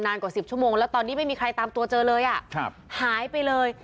กว่า๑๐ชั่วโมงแล้วตอนนี้ไม่มีใครตามตัวเจอเลยอ่ะครับหายไปเลย